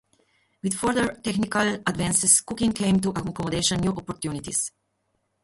With further technological advances, cooking came to accommodate new opportunities.